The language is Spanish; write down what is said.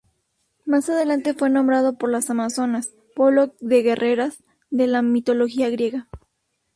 Más adelante fue nombrado por las amazonas, pueblo de guerreras de la mitología griega.